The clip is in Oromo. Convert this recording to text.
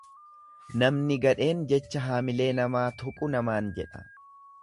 Namni gadheen jecha hamilee namaa tuqu namaan jedha.